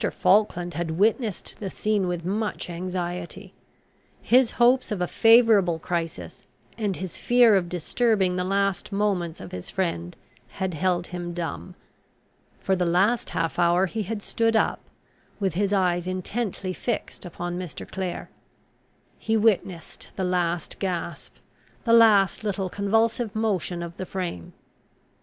Falkland had witnessed the scene with much anxiety. His hopes of a favourable crisis, and his fear of disturbing the last moments of his friend, had held him dumb. For the last half hour he had stood up, with his eyes intently fixed upon Mr. Clare. He witnessed the last gasp, the last little convulsive motion of the frame.